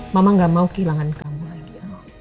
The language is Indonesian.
mama gak mau kehilangan kamu lagi